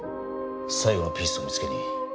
最後のピースを見つけに。